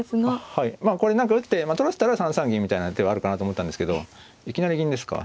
はいまあ何か打って取らせたら３三銀みたいな手はあるかなと思ったんですけどいきなり銀ですか。